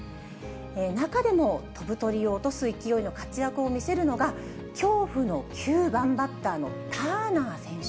中でも、飛ぶ鳥を落とす勢いの活躍を見せるのが、恐怖の９番バッターのターナー選手。